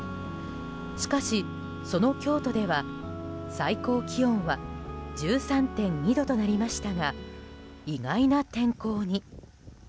しかし、その京都では最高気温は１３．２度となりましたが意外な天候に。